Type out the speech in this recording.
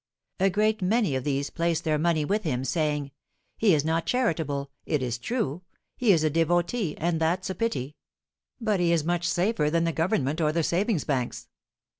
A great many of these placed their money with him, saying, "He is not charitable, it is true; he is a devotee, and that's a pity; but he is much safer than the government or the savings banks."